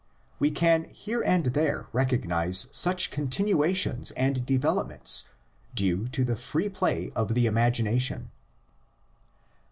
We can here and there recognise such continuations and developments due to the free play of the imagination.